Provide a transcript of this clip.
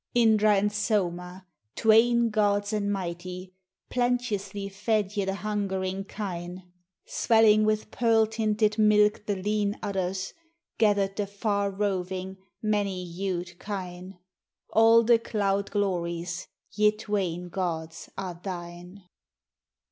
Indra and Soma, Twain gods and mighty, Plenteously fed ye the hungering Kine; 3 H\'MN TO IXDR.\ AND SO:\IA Swelling with pearl tinted milk the lean udders, Gathered the far roving, many hued Kine; — All the Cloud glories, ye Twain gods are thine